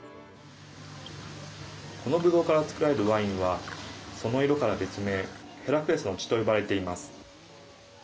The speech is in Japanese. このブドウから造られるワインはその色から別名ヘラクレスの血と呼ばれています。